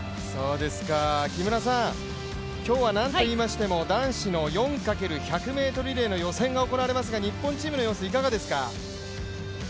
木村さん、今日はなんといいましても男子の４×１００ｍリレーの予選が行われますが日本チームの様子いかがですか。